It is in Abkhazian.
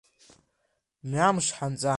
Мҩамш ҳанҵа!